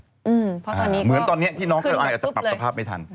อืมเพราะตอนนี้ก็ขึ้นแบบปุ๊บเลยเหมือนตอนนี้ที่น้องเขาอาจจะปรับสภาพไม่ทัน